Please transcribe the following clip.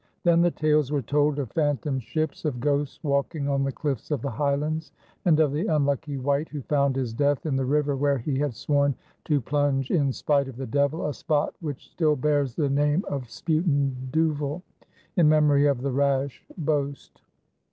Then the tales were told of phantom ships, of ghosts walking on the cliffs of the Highlands, and of the unlucky wight who found his death in the river where he had sworn to plunge in spite of the Devil, a spot which still bears the name of Spuyten Duyvil in memory of the rash boast.